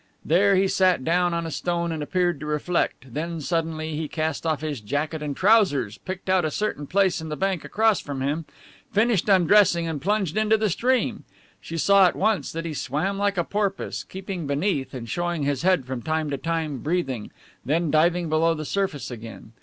There he sat down on a stone and appeared to reflect, and then suddenly he cast off his jacket and trousers, picked out a certain place on the bank across from him, finished undressing and plunged into the stream. She saw at once that he swam like a porpoise, keeping beneath and showing his head from time to time, breathing, then diving below the surface again.